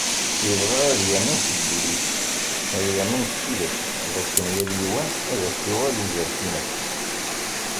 Ibɣa ad yamen seg wul-is, ad yamen s tidet d akken yall yiwen ad as-yuɣal uzref ines.